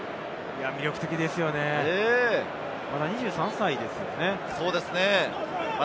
魅力的ですよね、まだ２３歳ですよね。